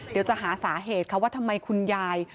เดี๋ยวจะหาสาเหตุค่ะว่าทำไมคุณยาย